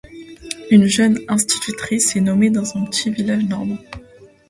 Une jeune institutrice est nommée dans un petit village normand.